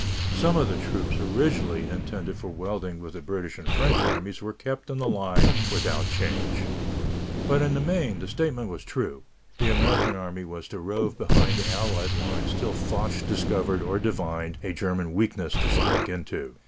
Some of the troops originally intended for welding with the British and French Armies were kept in the line without change. But in the main the statement was true: the American Army was to rove behind the Allied lines till Foch discovered or divined a German weakness to strike into.